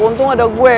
untung ada gue